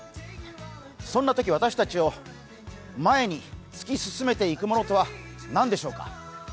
そんなとき私たちを前に突き進めていくものとは何でしょうか。